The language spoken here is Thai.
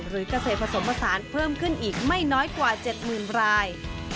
เกษตรผสมผสานเพิ่มขึ้นอีกไม่น้อยกว่า๗๐๐ราย